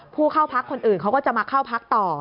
ผู้เข้าพักคนอื่นเขาก็จะมาเข้าพักต่อ